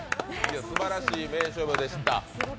すばらしい名勝負でした。